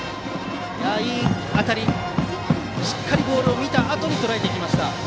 いい当たり、しっかりボールを見たあとにとらえました。